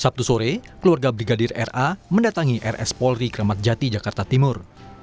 sabtu sore keluarga brigadir ra mendatangi rs polri kramat jati jakarta timur